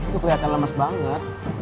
lo kelihatan lemes banget